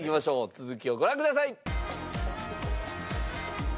続きをご覧ください。